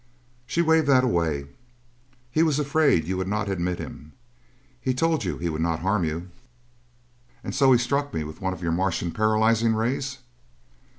She waved that away. "He was afraid you would not admit him. He told you he would not harm you." "And so he struck me with one of your Martian paralyzing rays!"